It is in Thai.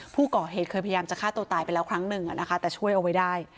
ผู้ก่อเหตุเคยพยายามจะฆ่าตัวตายไปแล้วครั้งหนึ่งนะคะแต่ช่วยเอาไว้ได้